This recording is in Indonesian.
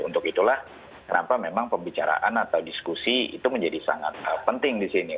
untuk itulah kenapa memang pembicaraan atau diskusi itu menjadi sangat penting di sini